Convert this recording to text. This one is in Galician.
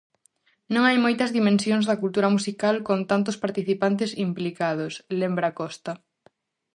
"Non hai moitas dimensións da cultura musical con tantos participantes implicados", lembra Costa.